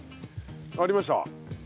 ありました。